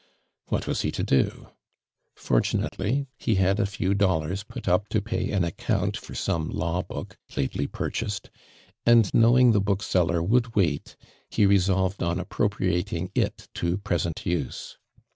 AVhat was he to do ? For tunately he had a few dollars put up to pay an account for some law l)Ook lately purchased, and knowing tho bookseller would wait, he resolved on appropriating it to present use.